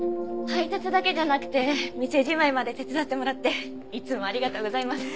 配達だけじゃなくて店じまいまで手伝ってもらっていつもありがとうございます。